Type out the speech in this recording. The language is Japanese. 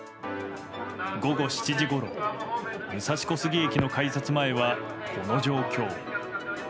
午後７時ごろ武蔵小杉駅の改札前は、この状況。